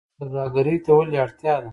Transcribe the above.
سوداګرۍ ته ولې اړتیا ده؟